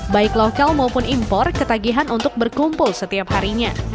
baik lokal maupun impor ketagihan untuk berkumpul setiap harinya